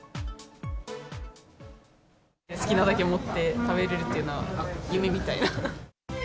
好きなだけ盛って食べれるっていうのは、夢みたいな。